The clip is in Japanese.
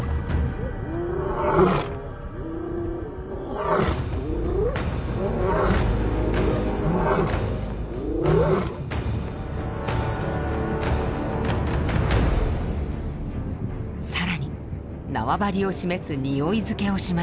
さらに縄張りを示すにおい付けをしました。